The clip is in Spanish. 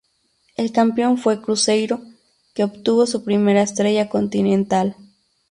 El campeón fue Cruzeiro, que obtuvo su primera estrella continental.